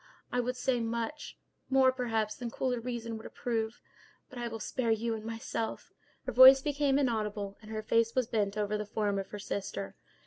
I could say much—more, perhaps, than cooler reason would approve; but I will spare you and myself—" Her voice became inaudible, and her face was bent over the form of her sister.